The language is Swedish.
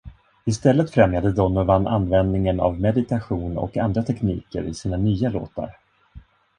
I stället främjade Donovan användningen av meditation och andra tekniker i sina nya låtar.